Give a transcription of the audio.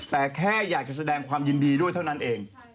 แต่แค่อยากจะแสดงความยินดีด้วยเท่านั้นเอง